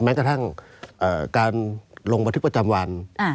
แม้กระทั่งการลงบันทึกประจำวัน